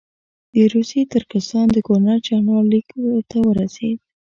د روسي ترکستان د ګورنر جنرال لیک ورته راورسېد.